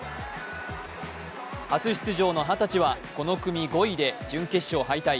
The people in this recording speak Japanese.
初出場の二十歳は、この組５位で準決勝敗退。